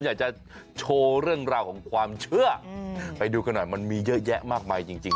อยากจะโชว์เรื่องราวของความเชื่อไปดูกันหน่อยมันมีเยอะแยะมากมายจริง